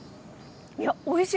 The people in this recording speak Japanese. いやおいしい。